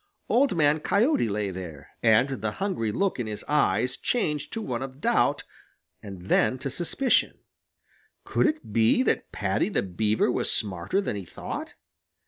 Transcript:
Old Man Coyote lay there, and the hungry look in his eyes changed to one of doubt and then to suspicion. Could it be that Paddy the Beaver was smarter than he thought?